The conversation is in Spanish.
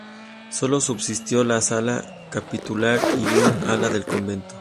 Solo subsistió la sala capitular y un ala del convento.